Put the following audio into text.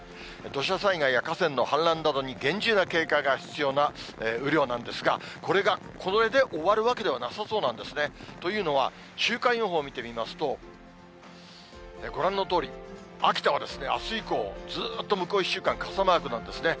土砂災害や河川の氾濫などに厳重な警戒が必要な雨量なんですが、これが、これで終わるわけではなさそうなんですね。というのは、週間予報見てみますと、ご覧のとおり、秋田はあす以降、ずっと向こう１週間、傘マークなんですね。